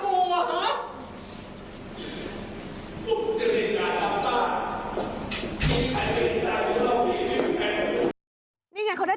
พี่ขอโทษกว่าไม่ได้พี่ขอโทษกว่าไม่ได้